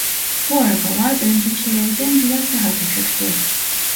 Bu arabalar öncekilerden biraz daha küçüktü.